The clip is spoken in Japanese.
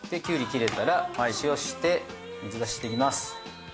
きゅうり切れたら塩して水出ししていきます。